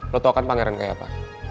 lo tau kan pangeran kayak apa